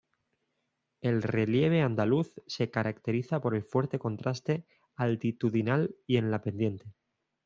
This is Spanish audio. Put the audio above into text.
El relieve andaluz se caracteriza por el fuerte contraste altitudinal y en la pendiente.